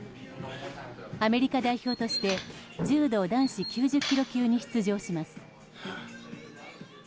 アメリカ代表として柔道男子９０ｋｇ級に出場します。